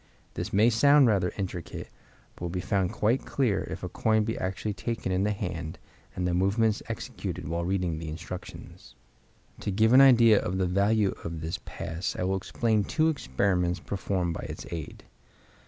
This may sound rather intricate, but will be found quite clear if a coin be actually taken in the hand, and the movements executed while reading the instructions. To give an idea of the value of this pass I will explain two experiments performed by its aid.